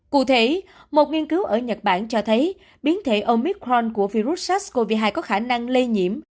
cụ thể một nghiên cứu ở nhật bản cho thấy biến thể omicron của virus sars cov hai có khả năng lây nhiễm